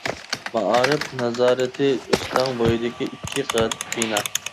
مائارىپ نازارىتى-ئۆستەڭ بويىدىكى ئىككى قەۋەتلىك بىنا.